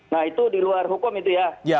nah itu di luar hukum itu ya